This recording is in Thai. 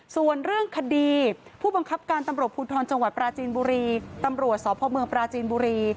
ส่วนเรื่องคดีผู้บังคับการตำรวจภูทรจังหวัดปราจีนบุรีตำรวจสพเมืองปราจีนบุรี